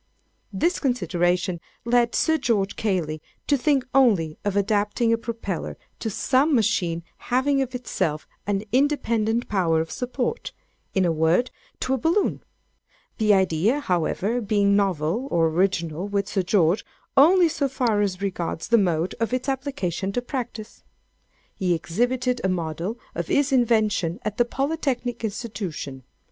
This consideration led Sir George Cayley to think only of adapting a propeller to some machine having of itself an independent power of support—in a word, to a balloon; the idea, however, being novel, or original, with Sir George, only so far as regards the mode of its application to practice. He exhibited a model of his invention at the Polytechnic Institution.